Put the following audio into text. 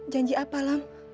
janji apa lam